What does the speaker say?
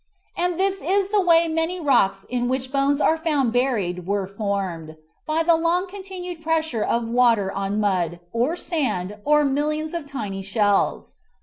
And this is the way many rocks in which bones are found buried were formed, by the long continued pressure of water on mud, or sand, or millions of tiny shells.